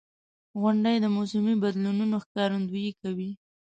• غونډۍ د موسمي بدلونونو ښکارندویي کوي.